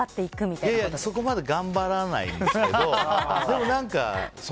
いやいやそこまで頑張らないんですけど